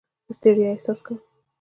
د ستړیا احساس کوم.